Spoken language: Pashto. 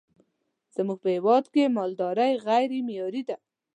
زمونږ په هیواد کی مالداری غیری معیاری ده